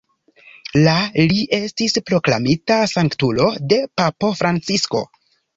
La li estis proklamita sanktulo de papo Francisko.